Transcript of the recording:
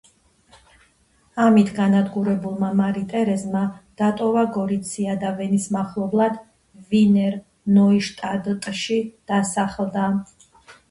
ამით განადგურებულმა მარი ტერეზმა დატოვა გორიცია და ვენის მახლობლად, ვინერ-ნოიშტადტში დასახლდა.